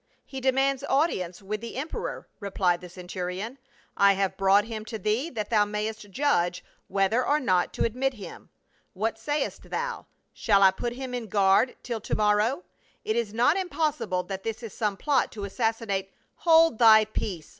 He demands audience with the em peror," rephed the centurion. "I have brought him to thee that thou mayst judge whether or not to admit him. What sayest thou, shall I put him in guard till to morrow ? It is not impossible that this is some plot to assassinate —"" Hold thy peace